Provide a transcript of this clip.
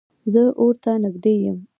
زه اور ته نږدې یم